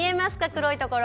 黒いところ。